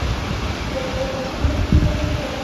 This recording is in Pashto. وادي د افغانستان د اقلیم ځانګړتیا ده.